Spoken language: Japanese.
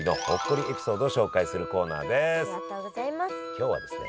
今日はですね